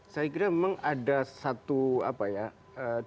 saya kira memang ada satu apa ya dibawah sadar itu